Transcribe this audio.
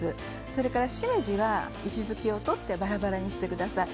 それから、しめじは石突きを取って、ばらばらにしてください。